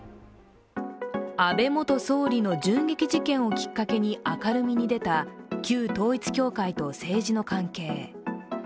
安倍元総理の銃撃事件をきっかけに明るみに出た旧統一教会と政治の関係。